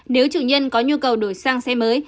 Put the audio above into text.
nếu chủ nhân có nhu cầu đổi sang xe mới